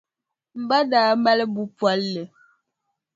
M ba daa mali buʼ polli.